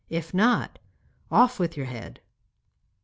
If not, off with your head.